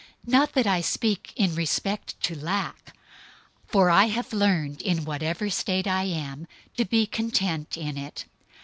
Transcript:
004:011 Not that I speak in respect to lack, for I have learned in whatever state I am, to be content in it.